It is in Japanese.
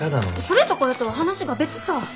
それとこれとは話が別さ。